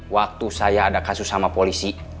waktu saya ada kasus sama polisi